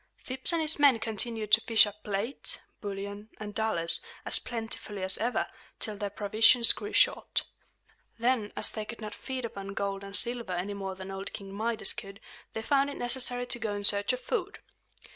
Phips and his men continued to fish up plate, bullion, and dollars, as plentifully as ever, till their provisions grew short. Then, as they could not feed upon gold and silver any more than old King Midas could, they found it necessary to go in search of food.